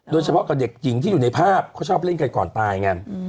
โดยเฉพาะกับเด็กหญิงที่อยู่ในภาพเขาชอบเล่นกันก่อนตายไง